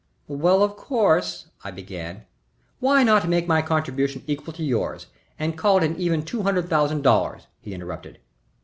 "Well, of course " I began. "Why not make my contribution equal to yours and call it an even two hundred thousand dollars?" he interrupted.